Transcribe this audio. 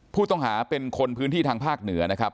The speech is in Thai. ผู้ต้องหาเป็นคนพื้นที่ทางภาคเหนือนะครับ